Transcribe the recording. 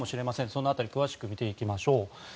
その辺り詳しく見ていきましょう。